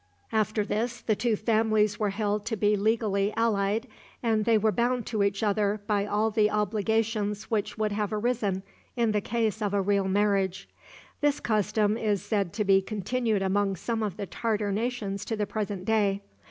After this the two families were held to be legally allied, and they were bound to each other by all the obligations which would have arisen in the case of a real marriage. This custom is said to be continued among some of the Tartar nations to the present day.